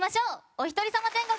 「おひとりさま天国」！